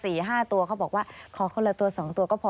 เพราะเขาบอกว่าขอคนละ๒ตัวก็พอ